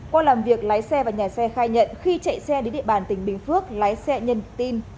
qua làm việc lái xe và nhà xe khai nhận khi chạy xe đến địa bàn tỉnh bình phước lái xe nhân tin